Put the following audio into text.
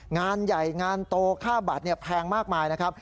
งานใหญ่งานโตค่าบัตรแพงมากมายนะครับ